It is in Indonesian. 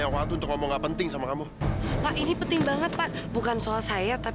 sampai jumpa di video selanjutnya